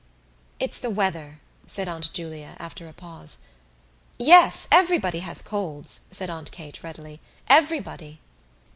"It's the weather," said Aunt Julia, after a pause. "Yes, everybody has colds," said Aunt Kate readily, "everybody."